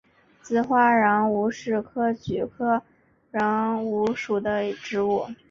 紫花橐吾是菊科橐吾属的植物。